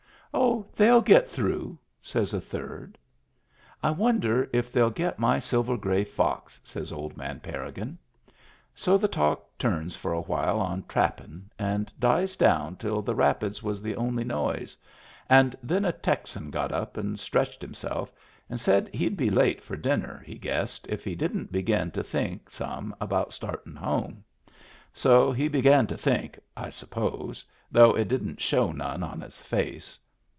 " Oh, theyll get through," says a third. "I wonder if they'll get my silver gray fox," says old man Parrigin. So the talk turns for a while on trappin', and dies down till the rapids was the only noise; and then a Texan got up and stretched himself, and said he'd be late for dinner, he guessed, if he didn't begin to think some about startin' home. So he began to think, I suppose, though it didn't show none on his face.